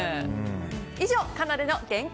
以上、かなでの限界